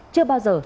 chưa bao giờ